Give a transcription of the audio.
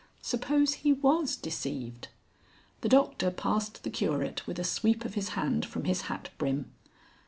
Suppose he was deceived. The Doctor passed the Curate with a sweep of his hand from his hat brim.